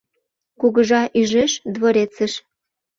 Кугыжа ӱжеш дворецыш